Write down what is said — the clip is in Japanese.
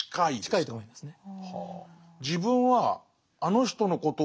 近いと思いますね。